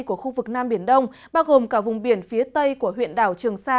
của khu vực nam biển đông bao gồm cả vùng biển phía tây của huyện đảo trường sa